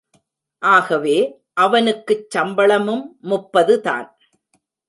ஆகவே அவனுக்குச் சம்பளமும் முப்பதுதான்!